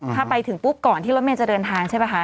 ถ้าไปถึงปุ๊บก่อนที่รถเมย์จะเดินทางใช่ป่ะคะ